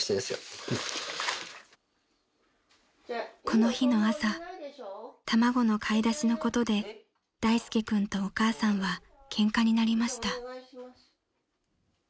［この日の朝卵の買い出しのことで大介君とお母さんはケンカになりました］